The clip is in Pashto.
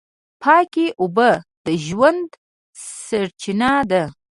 پاکې اوبه د ژوند سرچینه ده.